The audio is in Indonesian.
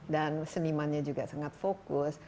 dan senimannya juga sangat fokus